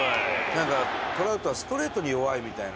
なんかトラウトはストレートに弱いみたいな。